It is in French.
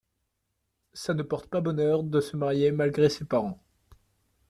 Ça ne porte pas bonheur de se marier malgré ses parents.